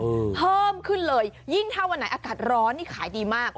อืมเพิ่มขึ้นเลยยิ่งถ้าวันไหนอากาศร้อนนี่ขายดีมาก